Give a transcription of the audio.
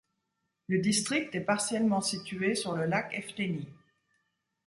Le district est partiellement situé sur le lac Efteni.